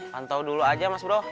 pantau dulu aja mas bro